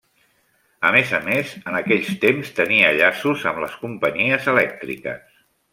A més a més en aquells temps tenia llaços amb les companyies elèctriques.